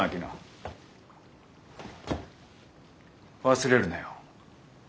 忘れるなよ。